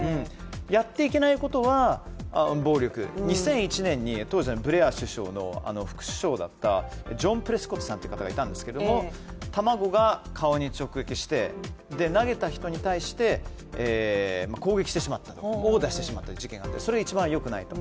やっていけないことは、暴力、２００１年に当時のブレア首相の副首相だった方がいるんですが、卵が顔に直撃して、投げた人に対して攻撃してしまった、殴打してしまったという事件があってそれは一番よくないと。